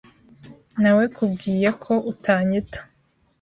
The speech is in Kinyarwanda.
Nawekubwiye ko utanyita .